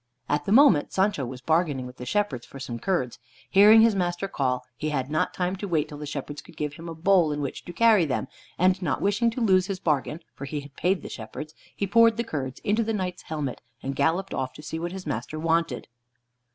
At the moment, Sancho was bargaining with the shepherds for some curds. Hearing his master call, he had not time to wait till the shepherds could give him a bowl in which to carry them, and not wishing to lose his bargain (for he had paid the shepherds), he poured the curds into the Knight's helmet, and galloped off to see what his master wanted.